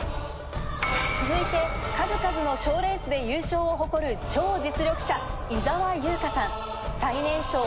続いて、数々の賞レースで優勝を誇る超実力者、伊沢有香さん。